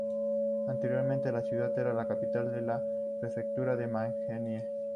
Anteriormente, la ciudad era la capital de la prefectura de Magnesia.